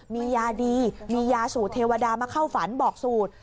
มียาดีมียาสูตรเทวดามาเข้าฝันบอกสูตร